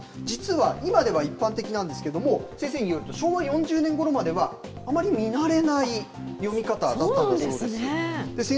実は今では一般的なんですが先生によると昭和４０年ごろまではあまりに見慣れない読み方だったんだそうです。